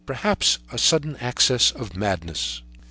Perhaps a sudden access of madness!